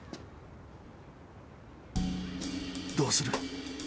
どうする？